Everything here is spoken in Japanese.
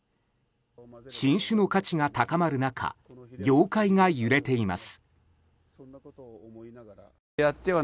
新種の価値が高まる中業界が揺れています。